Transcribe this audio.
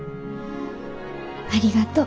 ありがとう。